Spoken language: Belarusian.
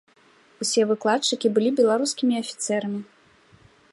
Усе выкладчыкі былі беларускімі афіцэрамі.